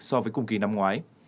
so với cùng kỳ năm ngoái